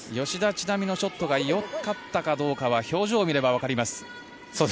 吉田知那美のショットがよかったかどうかは表情を見ればわかります。